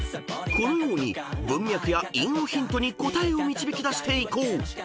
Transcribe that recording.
［このように文脈や韻をヒントに答えを導き出していこう。